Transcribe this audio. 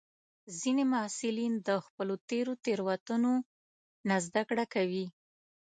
ځینې محصلین د خپلو تېرو تېروتنو نه زده کړه کوي.